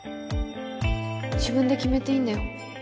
自分で決めていいんだよ。